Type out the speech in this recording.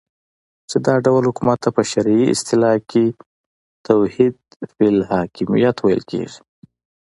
چی دا ډول حکومت ته په شرعی اصطلاح کی توحید فی الحاکمیت ویل کیږی